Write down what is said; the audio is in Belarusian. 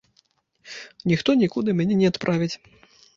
Ніхто нікуды мяне не адправіць.